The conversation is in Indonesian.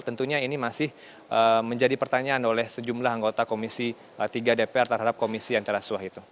tentunya ini masih menjadi pertanyaan oleh sejumlah anggota komisi tiga dpr terhadap komisi antirasuah itu